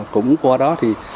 cũng qua đó